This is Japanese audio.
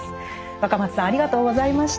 若松さんありがとうございました。